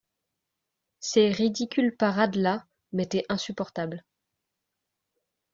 Ces ridicules parades-là m'étaient insupportables.